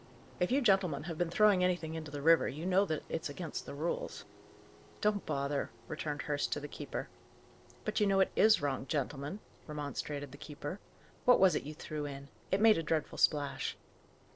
"If you gentlemen have been throwing anything into the river you know that it's against the rules." "Don't bother!" returned Hurst, to the keeper. "But you know it is wrong, gentlemen," remonstrated the keeper. "What was it you threw in? It made a dreadful splash."